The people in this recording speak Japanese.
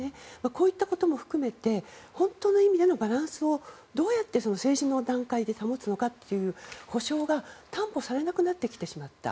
こういったことも含めて本当の意味でのバランスをどうやって政治の段階で保つのかという保障が、担保されなくなってきてしまった。